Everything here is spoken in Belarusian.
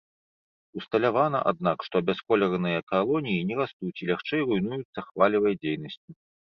Усталявана, аднак, што абясколераныя калоніі не растуць і лягчэй руйнуюцца хвалевай дзейнасцю.